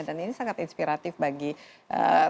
dan ini sangat inspiratif bagi teman teman